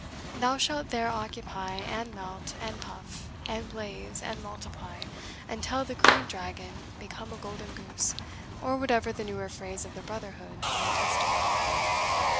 Thou shalt there occupy, and melt, and puff, and blaze, and multiply, until the Green Dragon become a golden goose, or whatever the newer phrase of the brotherhood may testify."